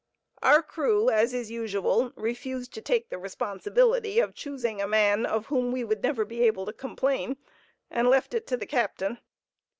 Our crew, as is usual, refused to take the responsibility of choosing a man of whom we would never be able to complain, and left it to the captain.